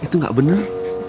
itu nggak benar